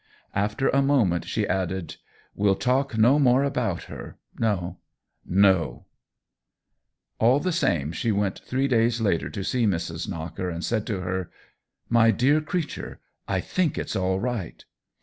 After a moment she add ed :" We'll talk no more about her — no, no !" All the same she went three days later to see Mrs. Knocker and say to her :" My dear creature, I think it's all right."